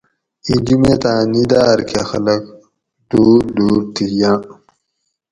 اِیں جُمیتاۤں نِداۤر کہ خلق دُور دُور تھی یاۤں